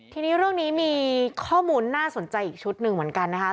ทีนี้เรื่องนี้มีข้อมูลน่าสนใจอีกชุดหนึ่งเหมือนกันนะคะ